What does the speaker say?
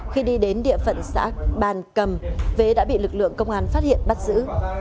khi đi đến địa phận xã bàn cầm vĩ đã bị lực lượng công an phát hiện bắt giữ